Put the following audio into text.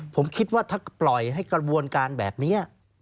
ผมคิดว่าถ้าปล่อยให้กระบวนการแบบนี้